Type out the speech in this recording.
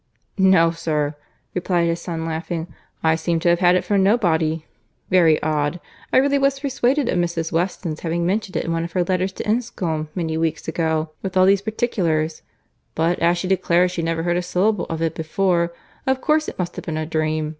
"No, sir," replied his son, laughing, "I seem to have had it from nobody.—Very odd!—I really was persuaded of Mrs. Weston's having mentioned it in one of her letters to Enscombe, many weeks ago, with all these particulars—but as she declares she never heard a syllable of it before, of course it must have been a dream.